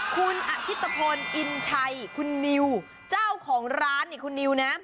คุณอธิษพลอินชัยคุณนิวเจ้าของร้านนี่คุณนิวนะ